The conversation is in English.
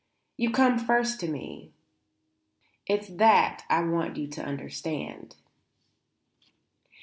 "You come first to me. It's that I want you to understand."